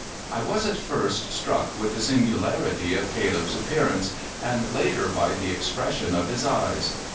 I was at first struck with the singularity of Caleb's appearance, and later by the expression of his eyes.